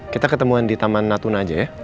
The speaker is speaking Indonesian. kita ketemuan di taman natuna aja ya